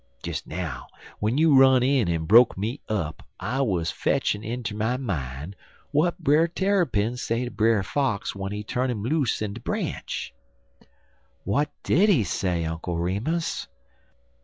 Des now, w'en you run in and broke me up, I wuz fetchin' into my mine w'at Brer Tarrypin say ter Brer Fox w'en he turn 'im loose in de branch." "What did he say, Uncle Remus?"